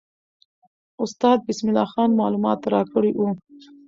استاد بسم الله خان معلومات راکړي وو.